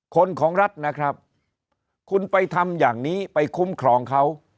ของรัฐนะครับคุณไปทำอย่างนี้ไปคุ้มครองเขา